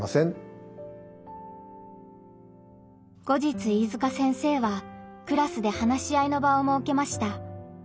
後日飯塚先生はクラスで話し合いの場をもうけました。